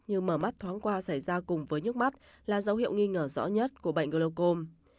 nhưng mở mắt thoáng qua xảy ra cùng với nhức mắt là dấu hiệu nghi ngờ rõ nhất của bệnh glaucom